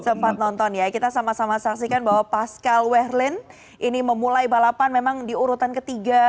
sempat nonton ya kita sama sama saksikan bahwa pascal wehrlin ini memulai balapan memang diurutan ketiga